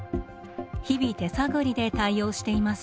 日々手探りで対応しています。